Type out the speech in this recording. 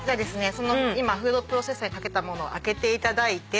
その今フードプロセッサーにかけたものを開けていただいて。